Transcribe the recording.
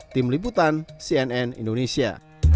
tim liputan cnn indonesia